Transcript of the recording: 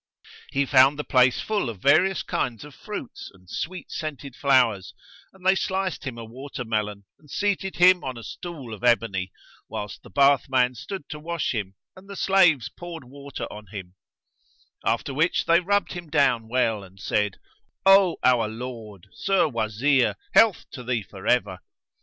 He found the place full of various kinds of fruits and sweet scented flowers, and they sliced him a watermelon and seated him on a stool of ebony, whilst the bathman stood to wash him and the slaves poured water on him; after which they rubbed him down well and said, "O our lord, Sir Wazir, health to thee forever!"